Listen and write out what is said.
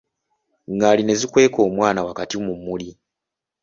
Ngaali ne zikweka omwana wakati mu mmuli.